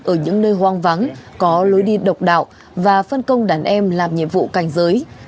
ở những nơi hoang vắng có lối đi độc đạo và phân công đàn em làm nhiệm vụ cảnh giới